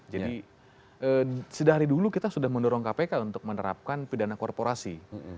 jadi dari dulu kita sudah mendorong kpk untuk menerapkan pidana korporasi